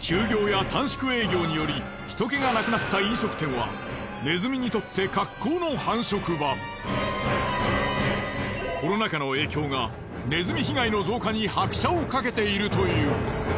休業や短縮営業により人けがなくなった飲食店はネズミにとってコロナ禍の影響がネズミ被害の増加に拍車をかけているという。